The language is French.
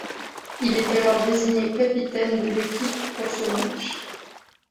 Il est alors désigné capitaine de l'équipe pour ce match.